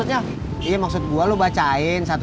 segini cukup gak mak